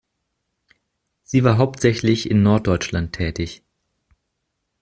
Sie war hauptsächlich in Norddeutschland tätig.